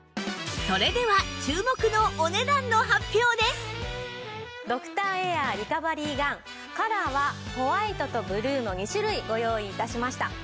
それではドクターエアリカバリーガンカラーはホワイトとブルーの２種類ご用意致しました。